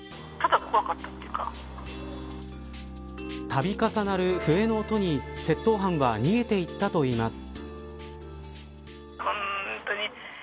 度重なる笛の音に窃盗犯は逃げていったといいます。